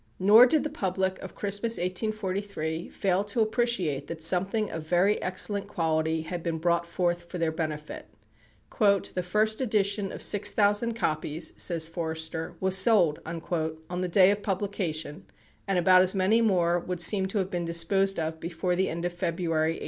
Nor did the public of Christmas, 1843, fail to appreciate that something of very excellent quality had been brought forth for their benefit. "The first edition of six thousand copies," says Forster, "was sold" on the day of publication, and about as many more would seem to have been disposed of before the end of February, 1844.